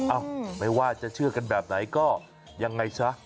เอ้าไม่ว่าจะเชื่อกันแบบไหนก็ยังไงซะ